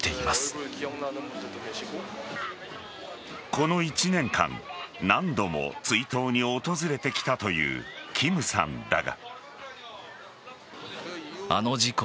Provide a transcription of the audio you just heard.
この１年間何度も追悼に訪れてきたというキムさんだが。